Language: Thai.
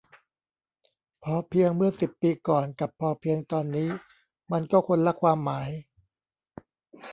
พอเพียง เมื่อสิบปีก่อน กับ พอเพียง ตอนนี้ มันก็คนละความหมาย